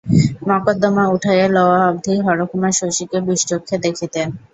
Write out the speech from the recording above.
মকদ্দমা উঠাইয়া লওয়া অবধি হরকুমার শশীকে বিষচক্ষে দেখিতেন।